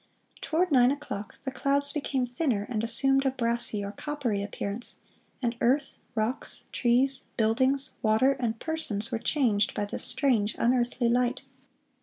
Toward nine o'clock, the clouds became thinner, and assumed a brassy or coppery appearance, and earth, rocks, trees, buildings, water, and persons were changed by this strange, unearthly light.